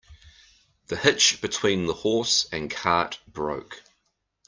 The hitch between the horse and cart broke.